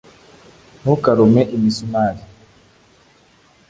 ntukarume imisumari